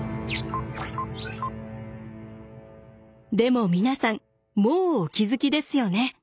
でも皆さんもうお気付きですよね。